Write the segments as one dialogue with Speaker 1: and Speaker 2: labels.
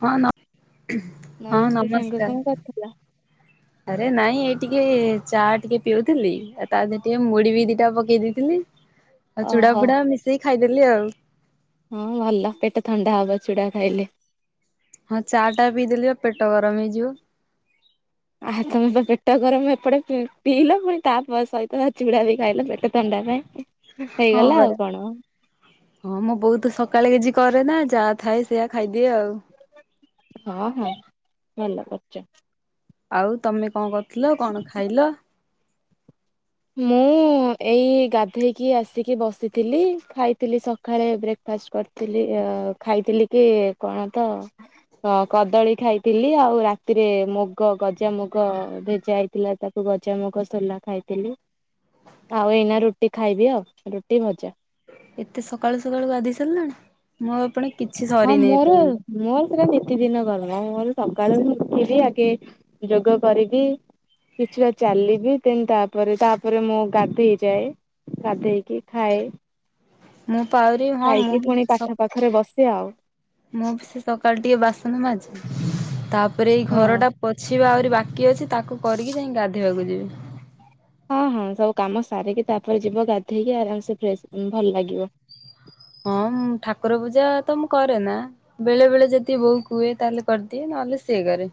Speaker 1: ହଁନ ହଁ
Speaker 2: ନମସ୍ତେ ସାଙ୍ଗ କଣ
Speaker 1: ନମସ୍କାର।
Speaker 2: କରୁଥିଲ?
Speaker 1: ଆରେ ନାଇଁ ଏଇ ଟିକେ ଚା ଟିକେ ପିଉଥିଲି ଆଉ ତା ଦେହରେ ଟିକେ ମୁଢ ବି ଦିଟା ପକେଇ ଦେଇଥିଲି। ଆଉ ଚୁଡା
Speaker 2: ଓହୋ
Speaker 1: ଫୁଡା ମିଶେଇି ଖାଇଦେଲି ଆଉ।
Speaker 2: ହଁ ଭଲ ପେଟ ଥଣ୍ଡା ହବ ଚୁଡା ଖାଇଲେ।
Speaker 1: ହଁ ଚା ଟା ପିଇଦେଲ ବା ପେଟ ଗରମ ହେଇଯିବ।
Speaker 2: ଆ ତମେ ତ ପେଟ ଗରମ ଏପଟେ ପିଇଲ ପୁଣି ତାପ ସହିତ ତା ଚିଡା ବି ଖାଇଲ ପେଟ ଥଣ୍ଡା ପାଇଁ।
Speaker 1: ହଁ
Speaker 2: ହେଇଗଲା ଆଉ
Speaker 1: ପରା
Speaker 2: କଣ।
Speaker 1: ହଁ ମୋ ବୋଉତ ସକାଳେ କିଛି କରେ ନା ଯାହା ଥାଏ ସେଇଆ ଖାଇଦିଏ ଆଉ।
Speaker 2: ହଁ ହଁ ଭଲ କରିଚ
Speaker 1: ଆଉ ତମେ ଙ୍କ କରୁଥିଲ କଣ ଖାଇଲ?
Speaker 2: ମୁଁଉଁ ହଁ ଏଇ ଗାଧେଇକି ଆସିକି ବସିଥିଲି ଖାଇଥିଲି ସଖାଳେ ବ୍ରେକ୍ଫାଷ୍ଟ କରି ଥିଲି ଖାଇଥିଲି କି କଣ ତ ହଁ କଦଳୀ ଖାଇଥିଲି ଆଉ ରାତିରେ ମୁଗ ଗଜାମୁଗ ଭେଜା ହେଇଥିଲା ତା ଗଜାମୁଗ ସୋଲା ଖାଇଥିଲି। ଆଉ ଏଇନା ରୁଟି ଖାଇବି ଆଉ ରୁଟି ଭଜା।
Speaker 1: ଏତେ ସକାଳୁ ସକାଳୁ ଗାଧେଇ ସାରିଲଣି ମୋ ଆପଣ କିଛି ସରିନେଇ ଏପଯ୍ଯନ୍ତ।
Speaker 2: ଏରା ନିତି ଦିନ କଥା ମୁଁ ସକାଳୁ ଉଠିବି ଆଗେ ଯୋଗ କରିବି କିଛିଟା ଚାଲିବି ତତି ତାପରେ ତାପରେ ମୁ ଗାଧେଇଯାଏ। ଗାଧେଇକି ଖାଏ।
Speaker 1: ମୁଁ ପାଉରି ହଁ ମୁଁ
Speaker 2: ଖାଇକି
Speaker 1: ବି
Speaker 2: ପୁଣି ପାଠ ପାଖରେ ବସେ ଆଉ
Speaker 1: ସମୁଁ ବି ସେ ସକାଳ ଟିକେ ବାସନ ମାଜେ ତାପରେ ଏଇ
Speaker 2: ହଁ
Speaker 1: ଘରଟା ପୋଛିବା ଆହୁରି ବାକି ଅଛି ତାକୁ କରିକି ଯାଇକି ଗାଧୋଇବାକୁ ଯିବି।
Speaker 2: ହଁ ହଁ ସବୁ କାମ ସାରିକି ତାପରେ ଯିବ ଗାଧେଇକି ଆରାମସେ ଫ୍ରେସ଼ ଭଲ ଲାଗିବ।
Speaker 1: ହଁ ଠାକୁର ପୂଜା ତ ମୁଁ କରେ ନା ବେଳେ ବେଳେ ଯଦି ବୋଉ କୁହେ ତାହେଲେ କରିଦିଏ ନହେଲେ ସିଏ କରେ।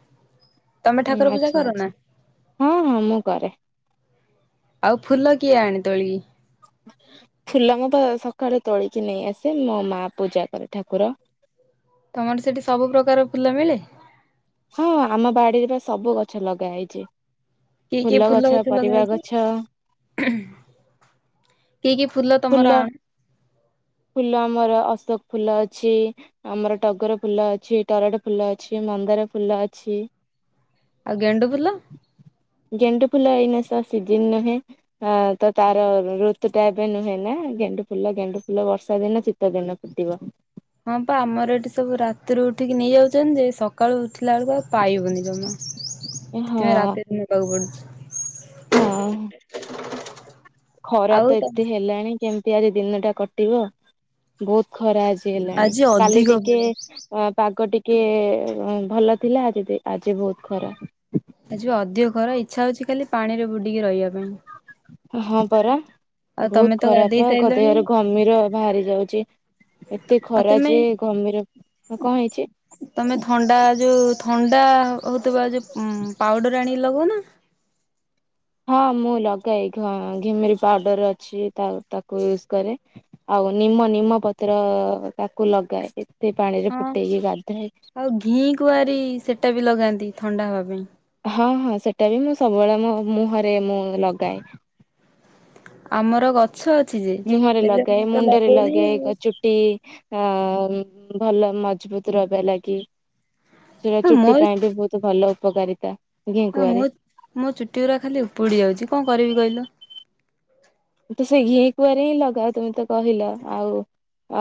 Speaker 1: ତମେ
Speaker 2: ହୁଁ
Speaker 1: ଠାକୁର ପୂଜା
Speaker 2: ଆଚ୍ଛା
Speaker 1: କର ନା?
Speaker 2: ଆଚ୍ଛା ହଁ ହଁ ମୁଁ କରେ।
Speaker 1: ଆଉ ଫୁଲ କିଏ ଆଣ ତୋଳି କି?
Speaker 2: ଫୁଲ ମୁଁ ତ ସକାଳେ ତୋଳିକି ନେଇ ଆସେ ମୋ ମା ପୂଜା କରେ ଠାକୁର।
Speaker 1: ତମର ସେଠି ସବୁ ପ୍ରକାର ଫୁଲ ମିଳେ?
Speaker 2: ହଁ ଆମ ବାଡିରେ ବା ସବୁ ଗଛ ଲଗା ହେଇଛି।
Speaker 1: କି କି
Speaker 2: ଫୁଲ ଗଛ,
Speaker 1: ଲଗା
Speaker 2: ପରିବା
Speaker 1: ହେଇଛି?
Speaker 2: ଗଛ
Speaker 1: କି କି ଫୁଲ ତମର ଆଣ?
Speaker 2: ଫୁଲ ଆମର ଅଶୋକ ଫୁଲ ଅଛି ଆମର ଟଗର ଫୁଲ ଅଛି, ଟରାଟ ଫୁଲ ଅଛି, ମନ୍ଦାର ଫୁଲ ଅଛି।
Speaker 1: ଆଉ ଗେଣ୍ଡୁ ଫୁଲ?
Speaker 2: ଗେଣ୍ଡୁ ଫୁଲ ଏଇନା ତା ସିଜିନ ନୁହେଁ। ହଁ ତ ତାର ଋତୁ ଟା ଏବେ ନୁହେଁ ନା ଗେଣ୍ଡୁ ଫୁଲ ଗେଣ୍ଡୁ ଫୁଲ ବର୍ଷା ଦିନ ଶିତ ଦିନେ ଫୁଟିବ।
Speaker 1: ହଁ ପା ଆମର ଏଠି ସବୁ ରାତିରୁ ଉଠିକି ନେଇଯାଉଛନ୍ତି ଯେ ସକାଳୁ ଉଠିଲା ବେଳକୁ ଆଉ ପାଇବୁନି ଜମା।
Speaker 2: ହଁ
Speaker 1: ସେଥି ମାଇଁ ରାତି ତିନିଟା ରୁପ ଳୋଉ।
Speaker 2: ହୁଁ
Speaker 1: [unintelligible]
Speaker 2: ଖରା
Speaker 1: ଆଉ
Speaker 2: ତ
Speaker 1: ତମ
Speaker 2: ଏତେ ହେଲାଣି କେମତି ଆଜି ଦିନଟା କଟିବ। ଭୋଉତ ଖରା ଆଜି ହେଲାଣି କାଲି
Speaker 1: ଅଧିକ
Speaker 2: ଟିକେ
Speaker 1: ପଡିଛି।
Speaker 2: ଅ ପାଗ ଟିକେ ଭଲ ଥିଲା ଆଜି ଦେ ଆଜି ଭୋଉତ ଖରା
Speaker 1: ଆଜିି ପା ଅଧିକ ଖରା ଇଚ୍ଛା ହଉଛି ଖାଲି ପାଣିରେ ବୁଡିକି ରହିବା ପାଇଁ।
Speaker 2: ହଁ ପରା
Speaker 1: ଆଉ
Speaker 2: ଭୋଉତ
Speaker 1: ତମେ ତ
Speaker 2: ଖରା
Speaker 1: ଗାଧେଇ
Speaker 2: ପା ଆଙ୍କ
Speaker 1: ସାରିଲଣି
Speaker 2: ଦେହରୁ ଘମିର ଭାରି ଯାଉଛି। ଏତେ
Speaker 1: ଆଉ
Speaker 2: ଖରା
Speaker 1: ତମେ
Speaker 2: ଯେ ଘମିର ଙ୍କ ହେଇଛି?
Speaker 1: ତମେ ଥଣ୍ଡା ଯୋଉ ଥଣ୍ଡା ହୋଉଥିବା ଯୋଉ ପାଉଡର ଆଣିକି ଲଗଉନା।
Speaker 2: ହଁ ମୁଁ ଲଗାଏ ଘ ଘିମିରି ପାଉଡର ଅଛି ତା ତାକୁ ୟୁଜ କରେ। ଆଉ ନିମ ନିମ ପତ୍ର ତାକୁ ଲଗାଏ ଏତେ ପାଣି ରେ
Speaker 1: ହଁ
Speaker 2: ଫୁଟେଇକି ଗାଧାଏ।
Speaker 1: ଆଉ ଘି କୁଆରି ସେଟା ବି ଲଗାନ୍ତି ଥଣ୍ଡା ହବା ପାଇଁ।
Speaker 2: ହଁ ହଁ ସେଟା ବି ମୁଁ ସବୁବେଳେ ମୋ ମୁହଁରେ ମୁଁ ଲଗାଏ।
Speaker 1: ଆମର ଗଛ ଅଛି ଯେ ହେଲେ ମୁଁ ତ ଲଗୁନି ଆଉ।
Speaker 2: ଟି ଅ ଭଲ ମଜବୁତ ରହିବା ଲାଗି ସେଟା
Speaker 1: ହଁ
Speaker 2: ଚୁଟି
Speaker 1: ମୋର
Speaker 2: ପାଇଁ ବି ବହୁତ ଭଲ ଉପକାରିତା।
Speaker 1: ହଁ
Speaker 2: ଘିକୁଆଁରୀ
Speaker 1: ମୋ ମୋ ଚୁଟି ଗୁରା ଖାଲି ଉପୁଡି ଯାଉଛି କଣ କରିବି କହିଲ।
Speaker 2: ତମେ ତ ସେ ଘି କୁଆଁରି ହିଁ ଲଗାଅ ତୁମେ ତ କହିଲ ଆଉ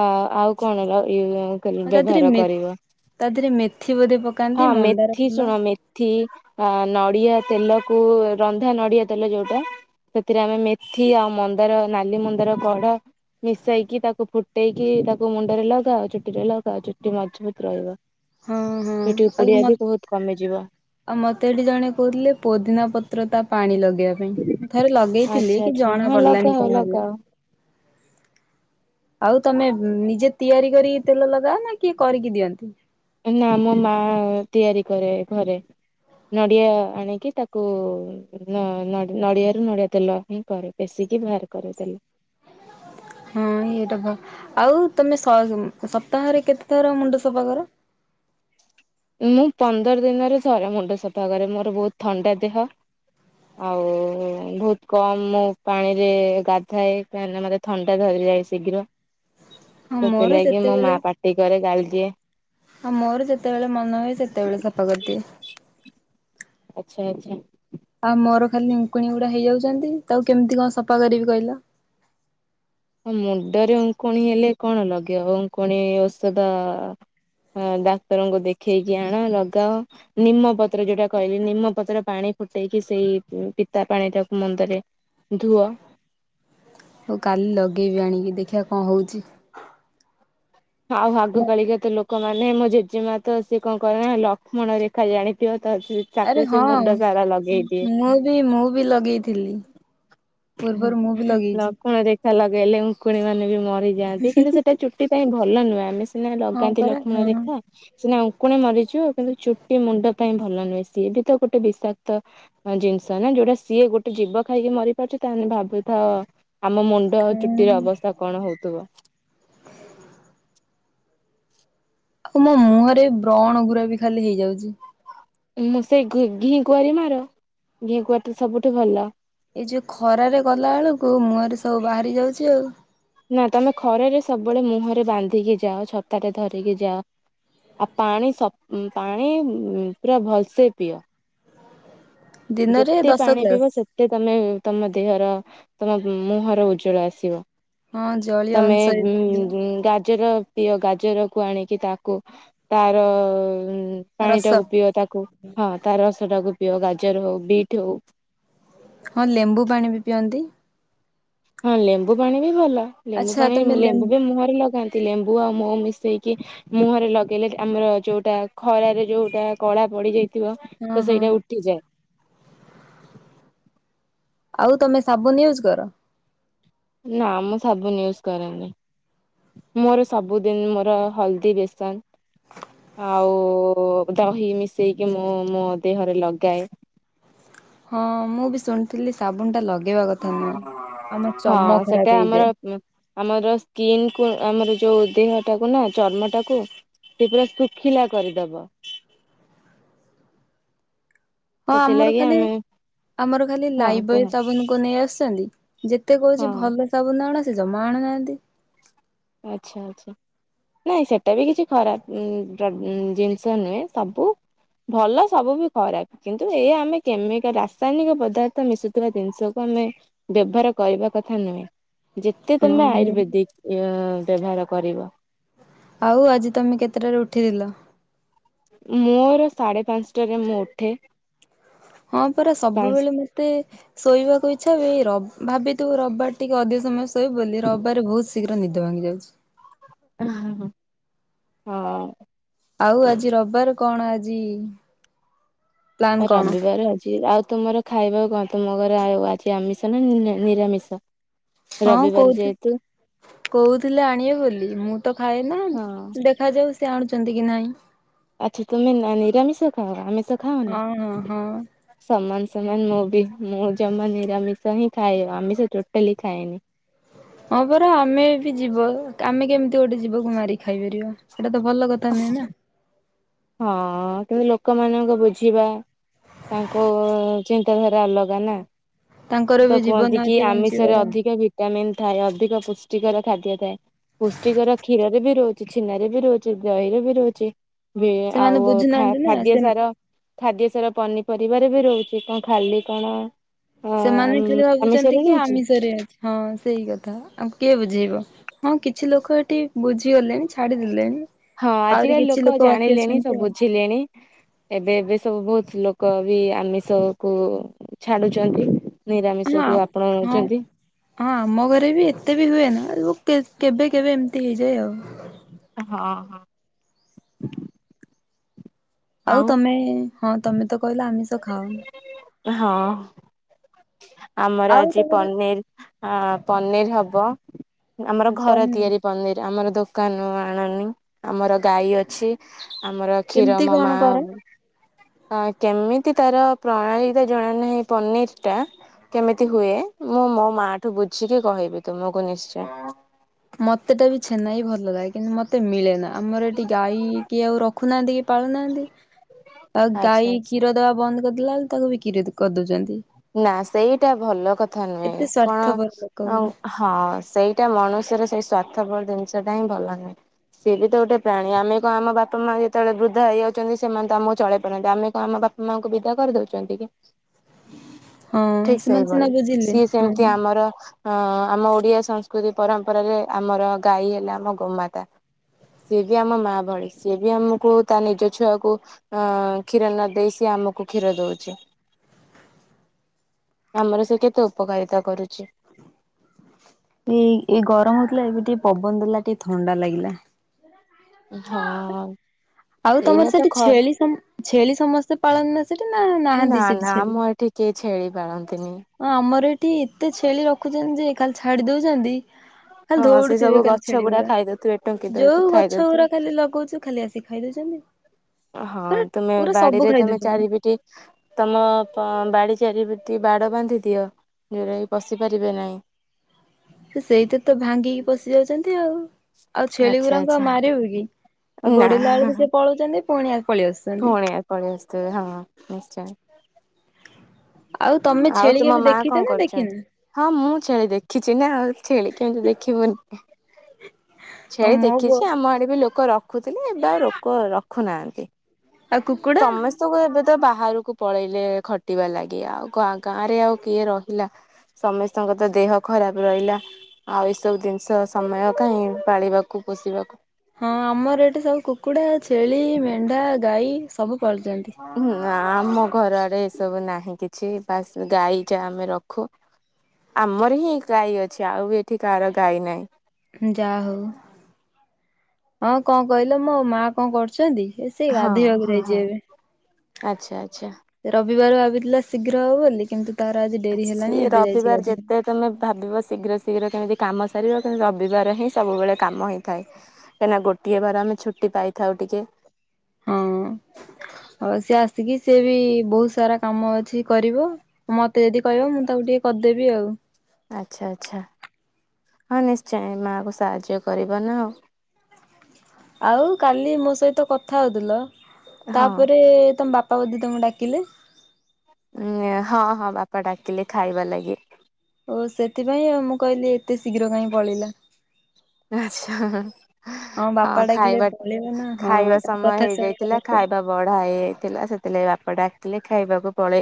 Speaker 2: ଅ ଆଉ କଣ ହେଲା [inaudible]
Speaker 1: ଆଉ ତା ଦେହରେ ମେ ତା ଦେହରେ ମେଥି ବୋଧେ ପ
Speaker 2: ହଁ ମେଥି ଶୁଣ ମେ ମେଥୀ ଆଁ ନଡିଆ ତେଲକୁ ରନ୍ଧା ନଡ଼ିଆ ତେଲ ଯୋଉଟା ସେଥିରେ ଆମେ ମେଥି ଆଉ ମନ୍ଦାର ନାଲି ମନ୍ଦାର କଢ଼ ମିଶାଇକି ତାକୁ ଫୁଟେଇକି ତାକୁ ମୁଣ୍ଡରେ ଲଗାଅ ଚୁଟିରେ ଲଗାଅ ଚୁଟି ମଜବୁତ ରହିବ।
Speaker 1: ହଁ ହଁ
Speaker 2: ଚୁଟି
Speaker 1: ଆଉ
Speaker 2: ଉପୁଡିବା
Speaker 1: ମ
Speaker 2: ବି ବହୁତ କମିଯିବ।
Speaker 1: ଆଉ ମତେ ଏଠି ଜଣେ କହୁଥିଲେ ପୋଦିନା ପତ୍ର ତା ପାଣି ଲଗେଇବା ପାଇଁ ମୁଁ ଥରେ ଲଗେଇଥିଲି
Speaker 2: ଆଚ୍ଛା
Speaker 1: କି
Speaker 2: ଆଚ୍ଛା
Speaker 1: ଜଣା
Speaker 2: ହଁ
Speaker 1: ପଡିଲାନି
Speaker 2: ଲଗାଅ
Speaker 1: କଣ ହେଲା।
Speaker 2: ଲଗାଅ
Speaker 1: ଆଉ ତମେ ନିଜେ ତିଆରି କରିକି ତେଲ ଲଗାଅ ନା କିଏ କରିକି ଦିଅନ୍ତି।
Speaker 2: ନା ମୋ ମା ତିଆରି କରେ ଘରେ। ନଡିଆ ଆଣିକି ତାକୁ ନ ନଡି ନଡ଼ିଆରୁ ନଡିଆ ତେଲ ହିଁ କରେ ଫେଶିକି ବାହାର କରେ ତେଲ।
Speaker 1: ହଁ ଏଇଟା ତ ଆଉ ତମେ ସ ସପ୍ତାହରେ କେତେ ଥର ମୁଣ୍ଡ ସଫା କର।
Speaker 2: ମୁଁ ପନ୍ଦର ଦିନରେ ଥରେ ମୁଣ୍ଡ ସଫା କରେ ମୋର ବହୁତ ଥଣ୍ଡା ଦେହ। ଆଉ ବହୁତ କମ ପାଣିରେ ଗାଧାଏ କାଁହିଁକି ନା ମତେ ଥଣ୍ଡା ଧରିଯାଏ ଶୀଘ୍ର
Speaker 1: ହଁ ମୋର
Speaker 2: ସେଥିଲାଗି ମୋ
Speaker 1: ଯେତେବେଳେ
Speaker 2: ମା ପାଟି କରେ ଗାଳିଦିଏ।
Speaker 1: ଆ ମୋର ଯେତେବେଳେ ମନ ହୁଏ ସେତେବେଳେ ସଫାକରି ଦିଏ।
Speaker 2: ଆଛା ଆଛା।
Speaker 1: ଆଉ ମୋର ଖାଲି ଉଙ୍କୁଣି ଗୁଡା ହେଇଯାଉଛନ୍ତି ତାକୁ କେମିତି କଣ ସଫା କରିବି କହିଲ।
Speaker 2: ମୁଣ୍ଡରେ ଉଙ୍କୁଣି ହେଲେ କଣ ଲଗେଇବ ଉଙ୍କୁଣି ଔଷଧ ହଁ ଡାକ୍ତରଙ୍କୁ ଦେଖେଇକି ଆଣ ଲଗାଅ। ନିମପତ୍ର ଯୋଉଟା କହିଲି ନିମପତ୍ର ପାଣି ଫୁଟେଇକି ସେଇ ପିତା ପାଣି ଟାକୁ ମୁଣ୍ଡରେ ଧୁ
Speaker 1: ହଉ କାଲି ଲଗେଇବି ଆଣିକି ଦେଖିବା କଣ ହୋଉଛି।
Speaker 2: ଆଉ ଆଗ କଳିକା ତ ଲୋକ ଲୋକ ମାନେ ମୋ ଜେଜେମା ତ ସିଏ କଣ କରେ ନା ଲକ୍ଷ୍ମଣ ରେଖା ଜାଣିଥିବ ତ
Speaker 1: ଆରେ
Speaker 2: ତାକୁ ସେ
Speaker 1: ହଁ
Speaker 2: ମୁଣ୍ଡ ସାରା ଲଗେଇଦିଏ।
Speaker 1: ମୁଁ ବି ମୁଁ ବି ଲଗେଇଥିଲି।
Speaker 2: ଉଁ
Speaker 1: ପୂର୍ବରୁ ମୁଁ ବି
Speaker 2: ହୁଁ
Speaker 1: ଲଗେଇଛି।
Speaker 2: ଲକ୍ଷ୍ମଣ ରେଖ୍ ଖା ଲଗେଇଲେ ଉଙ୍କୁଣି ମାନେ ବି ମରିଯାଆନ୍ତି କିନ୍ତୁ ସେଟା ଚୁଟି ପାଇଁ ଭଲ ନୁହଁ ଆମେ ସିନା
Speaker 1: ହଁ
Speaker 2: ଲଗାନ୍ତି
Speaker 1: ପରା ହଁ
Speaker 2: ଲକ୍ଷ୍ମଣ ରେଖା ସିନା ଉଁଙ୍କୁଣି ମରିଯିବ କିନ୍ତୁ ଚୁଟି ମୁଣ୍ଡ ପାଇଁ ଭଲ ନୁହେଁ ସି ଏ ବି ତ ଗୋଟେ ବିଷାକ୍ତ ହଁ ଜିନିଷ ନା ଯୋଉଟା ସିଏ ଗୋଟେ ଜିବ ଖାଇକି ମରି ପାରୁଚି ତାହେଲେ ଭାବୁଥାଅ ଆମ ମୁଣ୍ଡ
Speaker 1: ହଁ।
Speaker 2: ଚୁଟିର ଅବସ୍ଥା କଣ ହଉଥୁବ।
Speaker 1: ଆଉ ମୋ ମୁହଁରେ ବ୍ରଣ ଗୁରା ବି ଖାଲି ହେଇଯାଉଚି।
Speaker 2: ମୁଁ ସେଇ ଘି କୁଆଁରି ମାର ଘି କୁଆଁରି ତ ସବୁଠୁ ଭଲ।
Speaker 1: ଏଇ ଯୋଉ ଖରାରେ ଗଲା ବେଳକୁ ମୁହଁ ରେ ସବୁ ବାହାରି ଯାଉଛି ଆଉ।
Speaker 2: ନା ତମେ ଖରାରେ ସବୁବେଳେ ମୁହଁରେ ବାନ୍ଧିକି ଯାଅ ଛତାଟେ ଧରିକି ଯାଅ। ଆ ପାଣି ସପ ପାଣି ପୁରା ଭଲସେ ପିଅ।
Speaker 1: ଦିନରେ
Speaker 2: ଯେତେ
Speaker 1: ଦଶ
Speaker 2: ପାଣି ପିଇବ
Speaker 1: ଗ୍ଲାସ
Speaker 2: ସେତେ ତମେ ତମ ଦେହର ତମ ମୁହଁର ଉଜ୍ଜଳ ଆସିବ।
Speaker 1: ହଁ ଜଳୀୟ
Speaker 2: ତମେ
Speaker 1: ଅଂଶ ବି
Speaker 2: ବୁଁ
Speaker 1: ବଢିବ
Speaker 2: ଉଁ ଗାଜର ପିଅ ଗାଜରକୁ ଆଣିକି ତାକୁ ତାର ଅ ପାଣି
Speaker 1: ରସ।
Speaker 2: ଟାକୁ ପିଅ ତାକୁ ହଁ ତା ରସଟାକୁ ପିଅ ଗାଜର ହଉ ବିଟ୍ ହଉ।
Speaker 1: ହଁ ଲେମ୍ବୁ ପାଣି ବି ପିଅନ୍ତି।
Speaker 2: ହଁ ଲେମ୍ବୁ ପାଣି ବି ଭଲ ଲେମ୍ବୁ
Speaker 1: ଆଚ୍ଛା
Speaker 2: ପାଣି
Speaker 1: ତମେ
Speaker 2: ଲେମ୍ବୁ ବି ମୁହଁରେ ଲଗାନ୍ତି। ଲେମ୍ବୁ ଆଉ ମହୁ ମିଶେଇକି ମୁହଁରେ ଲଗେଇଲେ ଆମର ଯୋଉଟା ଖରାରେ ଯୋଉଟା କଳା ପଡିଯାଇ ଥିବ
Speaker 1: ହଁ
Speaker 2: ତ
Speaker 1: ହଁ।
Speaker 2: ସେଇଟା ଉଠିଯାଏ।
Speaker 1: ଆଉ ତମେ ସାବୁନ ୟୁଜ୍ କର?
Speaker 2: ନା ମୁଁ ସାବୁନ ୟୁଜ୍ କରେନି। ମୋର ସବୁଦିନ ମୋର ହଳଦୀ ବେସନ ଆଉ ଦହି ମିଶେଇକି ମୁଁ ମୋ ଦେହରେ ଲଗାଏ।
Speaker 1: ହଁ ମୁଁ ବି ଶୁଣିଥିଲି ସାବୁନ ଟା ଲଗେଇବା କଥା ନୁହଁ ଆମ ଚମ
Speaker 2: ହଁ ସେଟା
Speaker 1: ଖରାପ
Speaker 2: ଆମର
Speaker 1: ହେଇଯାଏ।
Speaker 2: ଆମର ସ୍କିନକୁ ଆମର ଯୋଉ ଦେହଟାକୁ ନା ଚର୍ମଟାକୁ ସେ ପୁରା ଶୁଖିଲା କରିଦବ।
Speaker 1: ହଁ ଆମର
Speaker 2: ସେଥିଲାଗି
Speaker 1: ଖାଲି
Speaker 2: ଆମେ
Speaker 1: ଆମର ଖାଲି
Speaker 2: ହଁ
Speaker 1: ଲାଇବୟ
Speaker 2: କୁହ
Speaker 1: ସାବୁନକୁ ନେଇ ଆସୁଛନ୍ତି ଯେତେ
Speaker 2: ହଁ
Speaker 1: କହୁଛି ଭଲ ସାବୁନ ଆଣ ସେ ଜମା ଆଣୁନାହାଁନ୍ତି।
Speaker 2: ଆଚ୍ଛା ଆଚ୍ଛା। ନାଇଁ ସେଟା ବି କିଛି ଖରାପ ଜିନିଷ ନୁହେଁ ସବୁ ଭଲ ସବୁ ବି ଖରାପ କିନ୍ତୁ ଏଇଆ ଆମେ କେମିକା ରାସାୟନିକ ପଦାର୍ଥ ମିଶୁଥିବା ଜିନିଷକୁ ଆମେ ବ୍ୟବହାର କରିବା କଥା ନୁହେଁ। ଯେ ଯେତେ
Speaker 1: ହଁ
Speaker 2: ତମେ
Speaker 1: ହଁ।
Speaker 2: ଆୟୁର୍ବେଦିକ ବ୍ୟବହାର କରିବ।
Speaker 1: ହଉ ଆଜି ତମେ କେତେଟାରେ ଉଠିଥିଲ?
Speaker 2: ମୋର ସାଢେ ପାଞ୍ଚଟାରେ ମୁଁ ଉଠେ।
Speaker 1: ହଁ ପରା
Speaker 2: ପାଞ୍ଚ
Speaker 1: ସବୁବେଳେ ମତେ ଶୋଇବାକୁ ଇଚ୍ଛା ହୁଏ ର ଭାବିଥିବୁ ରବିବାର ଟିକେ ଅଧିକ ସମୟ ଶୋଇବୁ ବୋଲି ରବିବାରେ ବହୁତ ଶୀଘ୍ର ନିଦ ଭାଙ୍ଗି ଯାଉଛି।
Speaker 2: ହଁ।
Speaker 1: ଆଉ ଆଜି ରବିବାର କଣ ଆଜି? ପ୍ଲାନ୍ କଣ?
Speaker 2: ରବିବାର ଆଜି ଆଉ ତୁମର? ଖାଇବାକୁ କଣ ତୁମ ଘରେ ଆଉ ଆଜି ଆମିଷ ନା ନିରାମିସ?
Speaker 1: ହଁ କହୁଥିଲେ ଆଣିବେ ବୋଲି ମୁଁ ତ ଖାଏନା
Speaker 2: ହଁ
Speaker 1: ଦେଖ ଦେଖାଯାଉ ସେ ଆଣୁଛନ୍ତି କି ନାଇଁ?
Speaker 2: ଆଚ୍ଛା ତୁମେ ନୀରାମିଷ ଖାଅ ଆମିଷ ଖାଅନି?
Speaker 1: ହଁ ହଁ ହଁ।
Speaker 2: ସମାନ ସମାନ ମୁଁ ବି ମୁଁ ଜମା ନିରାମିଷ ହିଁ ଖାଏ ଆମିଷ ଟୋଟାଲି ଖାଏନି।
Speaker 1: ହଁ ପରା ଆମେ ବି ଯିବ ଆମେ କେମିତି ଗୋଟେ ଯିବକୁ ମାରିକି ଖାଇପାରିବା। ଏଟା ତ ଭଲ କଥା ନୁହେଁ ନା।
Speaker 2: ହଁ ଅ କିନ୍ତୁ ଲୋକମାନଙ୍କ ବୁଝିବା ତାଙ୍କ ଚିନ୍ତାଧାରା ଅଲଗା ନା।
Speaker 1: ତାଙ୍କର
Speaker 2: ତ
Speaker 1: ବି ଜୀବନ
Speaker 2: କୁହନ୍ତି କି
Speaker 1: ଅଛି
Speaker 2: ଆମିଷରେ
Speaker 1: ବଞ୍ଚିବାର
Speaker 2: ଅଧିକା ଭି ଭିଟାମିନ୍ ଥାଏ ଅଧିକ ପୁଷ୍ଟିକର ଖାଦ୍ୟ ଥାଏ ପୁଷ୍ଟିକର କ୍ଷୀରରେ ବି ରହୁଛି ଛେନାରେ ବି ରହୁ ଦହିର ବି ରହୁଛି
Speaker 1: ସେମାନେ
Speaker 2: ଆଉ
Speaker 1: ବୁଝୁନାହାନ୍ତି ନା
Speaker 2: ଖାଦ୍ୟ
Speaker 1: ସେ
Speaker 2: ସାର ଖାଦ୍ୟ ସାର ପନିପରିବାରେ ବି ରହୁଛି କଣ ଖାଲି କଣ? ଅ
Speaker 1: ସେମାନେ ଖାଲି ଭାବୁଛନ୍ତି
Speaker 2: ଆମିଷରେ
Speaker 1: କି
Speaker 2: ରହୁଛି।
Speaker 1: ଆମିଷରେ ଅଛି ହଁ ସେଇ କଥା ଆଙ୍କୁ କିଏ ବୁଝେଇବ। ହଁ କିଛି ଲୋକ ଏଠି ବୁଝିଗଲେଣି ଛାଡ଼ିଦେଲେଣି।
Speaker 2: ହଁ ଆଜିକାଲି ଲୋକ ଜାଣିଲେଣି ସବ୍
Speaker 1: ଆଉ।
Speaker 2: ବୁଝିଲେଣି। ଏବେ ଏବେ ସବୁ ବହୁତ୍ ଲୋକ ବି ଆମିଷ କୁ ଛାଡ଼ୁଚନ୍ତି।
Speaker 1: ହଁ
Speaker 2: ନିରାମିଷକୁ
Speaker 1: ହଁ।
Speaker 2: ଆପଣାଉ ଚନ୍ତି।
Speaker 1: ହଁ ଆମ ଘରେ ବି ଏତେ ବି ହୁଏନା [unintelligible] କେ କେବେ କେବେ ଏମିତି ହେଇଯାଏ ଆଉ।
Speaker 2: ହଁ ହଁ।
Speaker 1: ଆଉ ତମେ ହଁ ତମେ ତ କହିଲା ଆମିଷ ଖାଅନି।
Speaker 2: ନାଁ ହଁ। ଆମର
Speaker 1: ଆଉ
Speaker 2: ଆଜି
Speaker 1: ତମର
Speaker 2: ପନିର୍ ଆଁ ପନିର୍ ହବ। ହୁଁ ଆମର ଘର
Speaker 1: ପନିର
Speaker 2: ତିଆରି ପନିର୍ ଆମର ଦୋସ୍ କାନୁ ଆଣୁନି ଆମର ଗାଈ ଅଛି। ଆମର କ୍ଷୀର
Speaker 1: କେମିତି
Speaker 2: ମୋ ମା
Speaker 1: କଣ କର?
Speaker 2: ହଁ କେମିତି ତାର ପ୍ରଣାଳୀତ ଜଣା ନାହିଁ ପନିର୍ ଟ୍ୟା କେମିତି ହୁଏ ମୁଁ ମୋ ମା ଠୁ ବୁଝିକି କହିବି ତୁମକୁ ନିଶ୍ଚୟ। [unintelligible]
Speaker 1: ହଁ ମତେ ଟା ବି ଛେନ ହି ଭଲ ଗାଇ କିନ୍ତୁ ମତେ ମିଳେନା ଆମର ଏଠି ଗାଈ କିଏ ଆଉ ରଖୁନାହାଁନ୍ତିକି। ପାଳୁନାହାଁନ୍ତି ଆଉ
Speaker 2: ଆଚ୍ଛା
Speaker 1: ଗାଈ
Speaker 2: ଆଚ୍ଛା।
Speaker 1: କ୍ଷୀର ଦବା ବନ୍ଦ୍ କରିଦେଲାଳୁ ତାକୁ ବିକିରେଦ୍ କରିଦଉଚନ୍ତି।
Speaker 2: ନାଁ ସେଇଟା ଭଲ କଥା ନୁହେଁ
Speaker 1: ଏତେ
Speaker 2: କଣ
Speaker 1: ସ୍ୱାର୍ଥପର ଲୋକ ଗୁରା
Speaker 2: ଆଉ ଆହା ହଁ ସେଇଟା ମଣୁଷ୍ୟର ସେଇ ସ୍ୱାର୍ଥ ବଳ ଜିନିଷଟା ହିଁ ଭଲ ନୁହେଁ। ସିଏ ବି ତ ଗୋଟେ ପ୍ରାଣୀ ଆମେ କଣ ଆମ ବାପ ମା ଯେତେଅଳେ ବୃଦ୍ଧ ହେଇଆଉଛନ୍ତି ସେମାନେ ତ ଆମକୁ ଚଳେଇ ପାରନ୍ତି ଆମେ କଣ ଆମ ବାପ୍ ମାଆଁଙ୍କୁ ବିଦା କରି ଦଉଚନ୍ତି କି?
Speaker 1: ହଁ
Speaker 2: ଠିକ୍
Speaker 1: ସେମାନେ
Speaker 2: ସେଇଭଳି
Speaker 1: ସିନା ବୁଝିଲେ
Speaker 2: ସିଏ
Speaker 1: ହଁ।
Speaker 2: ସେମିତି ଆମର ହଁ ଆମ ଓଡ଼ିଆ ସଂସ୍କୃତି ପରମ୍ପରାରେ ଆମର ଗାଈ ହେଲା ଆମ ଗୋମାତା। ସିଏ ବି ଆମ ମା ଭଳି ସିଏ ବି ଆମକୁ ତା ନିଜ ଛୁଆକୁ ଅଁ କ୍ଷୀର ନ ଦେଇ ସିଏ ଆମକୁ କ୍ଷୀର ଦଉଛି। ଆମର ସେ କେତେ ଉପକାରିତା କରୁଛି।
Speaker 1: ଏଇ, ଏଇ ଗରା ହଉଥିଲା ଏବେ ଟିକେ ପବନ୍ ଦେଲା ଟିକେ ଥଣ୍ଡା ଲାଗିଲା।
Speaker 2: ହଁ।
Speaker 1: ଆଉ ତମର
Speaker 2: ଏଇନା ତ
Speaker 1: ସେଠି
Speaker 2: ଖରା
Speaker 1: ଛେଳି ସମ୍, ଛେଳି ସମସ୍ତେ ପାଳନ ନା ସେଠି ନା ନାହାଁନ୍ତି ସେଠି ଛେଳି।
Speaker 2: କିଏ ଛେଳି ପାଳନ୍ତିନି।
Speaker 1: ଅଁ ଆମର ଏଠି ଏତେ ଛେଳି ରଖୁଚନ୍ ଯେ ଖାଲି ଛାଡ଼ି ଦଉଚନ୍ତି। ଖାଲି
Speaker 2: ହଁ ସେ
Speaker 1: ଦଉଡ଼ୁଥିବେ
Speaker 2: ସବୁ
Speaker 1: ଖାଲି
Speaker 2: ଗଛ ଗୁଡା
Speaker 1: ଛେଳିିବିର
Speaker 2: ଖାଇଦଉଥିବେ ଟୁଙ୍କି ଦଉଥିବେ
Speaker 1: ଯୋଉ ଗଛ
Speaker 2: ଖାଇଦଉଥିବେ।
Speaker 1: ଗୁରାକ ଖାଲି ଲଗଉଛୁ ଖାଲି ଆସି ଖାଇଦେଇଛନ୍ତି।
Speaker 2: ଅଁ ହଁନ୍ ତମେ ବାଡ଼ିରେ ତମେ
Speaker 1: ଦଉଛନ୍ତି।
Speaker 2: ଚାରିବିଟି ତମ ପମ୍ ବାଡ଼ି ଚାରିପିଟି ବାଡ଼ ବାନ୍ଧି ଦିଅ। ଯୋଉରାକି ପସିପାରିବେ ନାଇଁ।
Speaker 1: ସେ ସେଇଥିରେ ତ ଭାଙ୍ଗିକି ପଶି ଯାଉଛନ୍ତି ଆଉ। ଆଉ ଛେଳି
Speaker 2: ଆଚ୍ଛା
Speaker 1: ଗୁରାଙ୍କୁ ଆଉ
Speaker 2: ଆଚ୍ଛା
Speaker 1: ମାରିବୁ କି ଆଉ
Speaker 2: ନା
Speaker 1: ଗୋଡ଼େଇଲା ଏଳୁକୁ ସିଏ ପଳଉଚନ୍ତି ପୁଣିଆ ପଳେଇ ଆସୁଛନ୍ତି।
Speaker 2: ପୁଣି ପଳେଇ ଆସଥିବେ ହଁ ନିଶ୍ଚୟ।
Speaker 1: ଆଉ ତମେ
Speaker 2: [unintelligible] ଆଉ
Speaker 1: ଛେଳି
Speaker 2: ତୁମ
Speaker 1: କେବେ
Speaker 2: ମା
Speaker 1: ଦେଖିଛ
Speaker 2: କଣ
Speaker 1: ନା
Speaker 2: କରୁଛନ୍ତି?
Speaker 1: ଦେଖିନା?
Speaker 2: ହଁ ମୁଁ ଛେଳି ଦେଖିଛି ନା ଆଉ। ଛେଳି କେମିତି ଦେଖିବୁନି
Speaker 1: ଆଉ
Speaker 2: ଛେଳି
Speaker 1: ମୋ ବୋଉ
Speaker 2: ଦେଖିଛି ଆମ ଆଡ଼େ ବି ଲୋକ ର ଖୁଥିଲି ଏବେ ଆଉ ରୋକ ରଖୁନାଆଁନ୍ତି।
Speaker 1: ଆଉ କୁକୁଡ଼୍
Speaker 2: ସମେସ୍ତେଙ୍କୁ ଏବେ ତ ବାହାରୁକୁ ପଳେଇଲେ ଖଟିବା ଲାଗି। ଆଉ ଗାଁ ଗାଁରେ ଆଉ କିଏ ରହିଲା। ସମେସ୍ତଙ୍କ ତ ଦେହ ଖରାପେ ରହିଲା। ଆଉ ଏସବୁ ଦିନିଷ ସମୟ କାହିଁ ପାଳିବାକୁ ପୋଷିବାକୁ।
Speaker 1: ହଁ ଆମର ଏଠି ସବୁ କୁକୁଡା, ଛେଳି, ମେଣ୍ଢା, ଗାଈ ସବୁ ପାଳୁଚନ୍ତି।
Speaker 2: ନା ଆମ ଘରଆଡେ ଏସବୁ ନାହିଁ କିଛି ବାସ୍ ଗାଈ ଯା ଆମେ ରଖୁ। ଆମର ହିଁ ଗାଈ ଅଛି। ଆଉ ବି ଏଠି କାହାର ଗାଈ ନାହିଁ।
Speaker 1: ଯା ହୋଉ ହଁ କଣ କଇଲ ମୋ ମା କଣ କରୁଚନ୍ତି? ଏ ସିଏ
Speaker 2: ହଁ
Speaker 1: ଗାଧୋଇବାକୁ
Speaker 2: ହଁ
Speaker 1: ଯଇଚି
Speaker 2: ହଁ।
Speaker 1: ଏବେ।
Speaker 2: ଆଚ୍ଛା ଆଚ୍ଛା।
Speaker 1: ରବିବାର ଭାବିଥିଲା ଶୀଘ୍ର ହବ ବୋଲି କିନ୍ତୁ ତାର ଆଜି ଡେରି ହେଲାଣି ଏବେ ଯାଇଚି ଗାଧୋଇବ।
Speaker 2: ତୁମେ ଭାବିବ ଶୀଘ୍ର ଶୀଘ୍ର କେମିତି କାମ ସାରିବ। କିନ୍ତୁ ରବିବାର ହିଁ ସବୁବେଳେ କାମ ହେଇଥାଏ। କାହିଁନା ଗୋଟିଏ ଵାର ଆମେ ଛୁଟି ପାଇଥାଉ ଟିକେ। ହ [inaudible]
Speaker 1: ହ ସିଏ ଆସିକି ସିଏ ବି ବହୁତ ସାରା କାମ ଅଛି କରିବ। ମତ ତଯଦି କହିବ ମୁଁ ତାକୁ ଟିକେ କରଦେବି ଆଉ।
Speaker 2: ଆଚ୍ଛା ଆଚ୍ଛା ହଁ ନିଶ୍ଚୟ ମାଆଙ୍କୁ ସାହାଯ୍ୟ କରିବ ନା ଆଉ।
Speaker 1: ଆଉ କାଲି ମୋ ସଇତ କଥା ହୋଉଥୁଲ।
Speaker 2: ହଁ।
Speaker 1: ତାପରେ ତମ ବାପ ପା ବୋଧେ ତମକୁ ଡାକିଲେ?
Speaker 2: ନ୍ୟା ହଁ ହଁ ବାପା ଡାକିଲେ ଖାଇବା ଲାଗି।
Speaker 1: ଓ ସେଥିପାଇଁ ମୁଁ କଇଲି ଏତେ ଶୀଘ୍ର କାଇଁ ପଳେଇଲା।
Speaker 2: ଆଚ୍ଛା ହଁ
Speaker 1: ବାପା ଡାକିଲେ
Speaker 2: ଖାଇବା
Speaker 1: ପଳେଇବ ନା ହଁ
Speaker 2: ଖାଇବା
Speaker 1: ତାଙ୍କ
Speaker 2: ସମୟ
Speaker 1: କଥା ଶୁଣିବା
Speaker 2: ହେଇଯାଇଥିଲା
Speaker 1: ଦରକାର।
Speaker 2: ଖାଇବା ବଡା ହେଇଯାଇଥିଲା ସେଥିଲାଗୀ ବାପା ଡାକଥିଲେ ଖାଇବାକୁ ପଳେଇଲି।